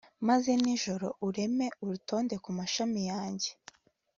maze nijoro urume rutonde ku mashami yanjye